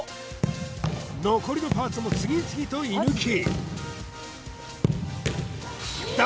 残りのパーツも次々と射抜き